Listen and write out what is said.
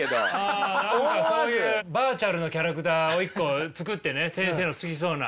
何かそういうバーチャルのキャラクターを一個作ってね先生の好きそうな。